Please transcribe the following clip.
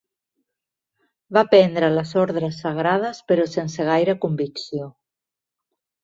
Va prendre les ordres sagrades, però sense gaire convicció.